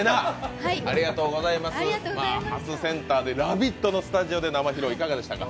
初センターで「ラヴィット！」のスタジオで生披露、いかがでしたか？